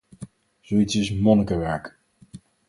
Zoiets is monnikenwerk.